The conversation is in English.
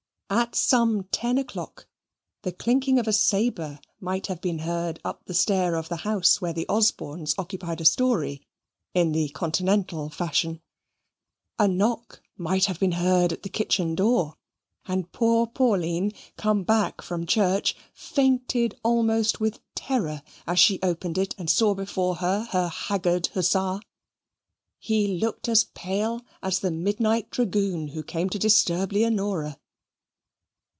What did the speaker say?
At some ten o'clock the clinking of a sabre might have been heard up the stair of the house where the Osbornes occupied a story in the continental fashion. A knock might have been heard at the kitchen door; and poor Pauline, come back from church, fainted almost with terror as she opened it and saw before her her haggard hussar. He looked as pale as the midnight dragoon who came to disturb Leonora.